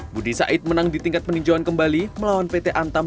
budi said menang di tingkat peninjauan kembali melawan pt antam